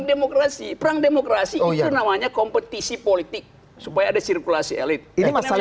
demokrasi perang demokrasi oh ya namanya kompetisi politik supaya ada sirkulasi elit ini masalah